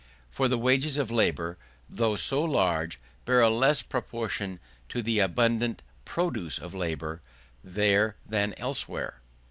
For the wages of labour, though so large, bear a less proportion to the abundant produce of labour, there than elsewhere.